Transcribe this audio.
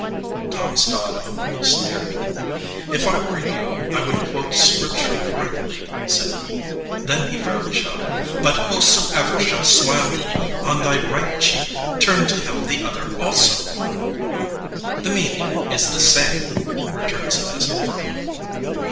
Thomas Dodd openly sneered. "If I were you 220 BOTH CHEEKS I would quote Scripture correctly/ said he. Then he fairly shouted, " But whosoever shall smite thee on thy right cheek, turn to him the other also/ "The meaning is the same," returned Zenas, firmly.